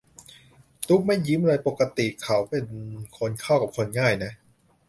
ตุ้กไม่ยิ้มเลยปกติเขาเป็นคนเข้ากับคนง่ายนะ